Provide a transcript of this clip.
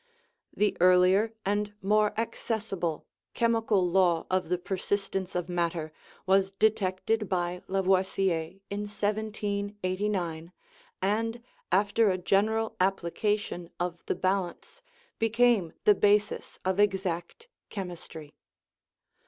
The earlier and more accessible chemical law of the per sistence of matter was detected by Lavoisier in 1789, 214 THE LAW OF SUBSTANCE and, after a general application of the balance, became the basis of exact chemistry.